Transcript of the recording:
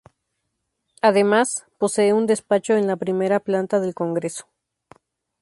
Además, posee un despacho en la primera planta del Congreso.